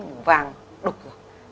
mũ vàng đục rồi